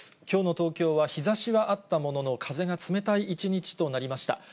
きょうの東京は日ざしはあったものの、風が冷たい一日となりました。